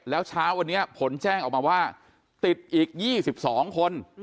แล้วเช้าวันนี้ผลแจ้งออกมาว่าติดอีก๒๒คน